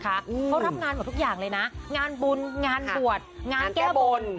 เขารับงานหมดทุกอย่างเลยนะงานบุญงานบวชงานแก้บน